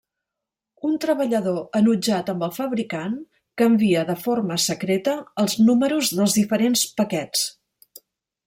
Un treballador enutjat amb el fabricant canvia de forma secreta els números dels diferents paquets.